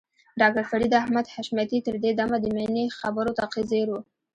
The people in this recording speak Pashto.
ډاکټر فريد احمد حشمتي تر دې دمه د مينې خبرو ته ځير و.